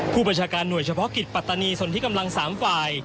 ผู้บัญชาการหน่วยเฉพาะกิจปัตตานีส่วนที่กำลัง๓ฝ่าย